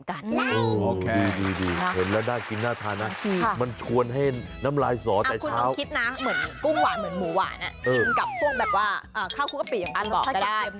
กุ้งหวานเหมือนหมูหวานอ่ะอิ่มกับพวกแบบว่าข้าวครูกะปิอย่างผมบอกก็ได้